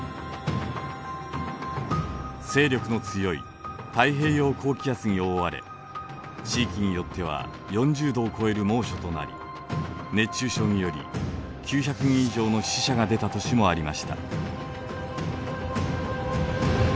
勢力の強い太平洋高気圧に覆われ地域によっては４０度を超える猛暑となり熱中症により９００人以上の死者が出た年もありました。